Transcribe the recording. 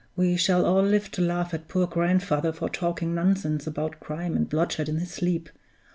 We shall all live to laugh at poor grandfather for talking nonsense about crime and bloodshed in his sleep.